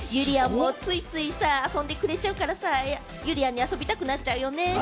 ゆりやんもついついさ、遊んでくれちゃうからさ、ゆりやんが遊びたくなっちゃうよね。